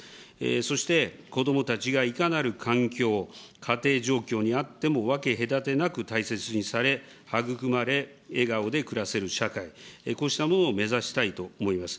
そして、こどもたちがいかなる環境、家庭状況にあっても分け隔てなく大切にされ、育まれ、笑顔で暮らせる社会、こうしたものを目指したいと思います。